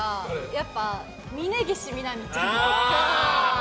やっぱり、峯岸みなみちゃんとか。